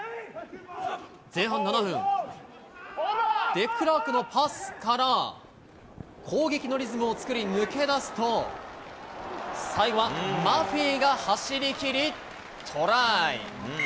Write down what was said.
前半７分、デクラークのパスから攻撃のリズムを作り、抜け出すと、最後はマフィが走りきり、トライ。